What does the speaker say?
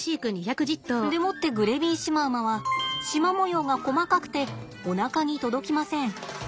でもってグレビーシマウマはシマ模様が細かくておなかに届きません。